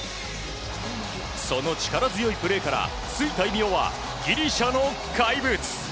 その力強いプレーからついた異名はギリシャの怪物。